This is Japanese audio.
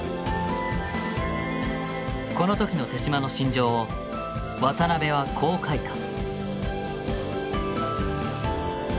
この時の手嶋の心情を渡辺はこう描いた。